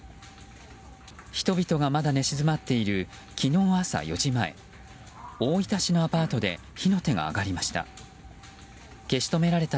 人々がまだ寝静まっている昨日朝４時前大分市のアパートで火の手が上がりました。